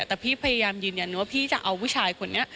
แต่พี่พยายามยืนยันว่าพี่จะเอาผู้ชายคนนี้